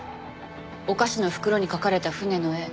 お菓子の袋に描かれた船の絵。